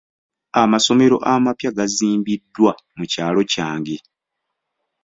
Amasomero amapya gazimbiddwa mu kyalo kyange.